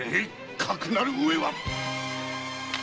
かくなるうえは！